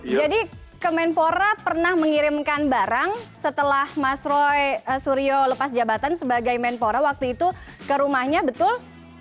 jadi kemenpora pernah mengirimkan barang setelah mas roy suryo lepas jabatan sebagai kemenpora waktu itu ke rumahnya betul